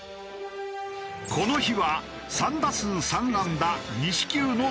この日は３打数３安打２四球の大活躍。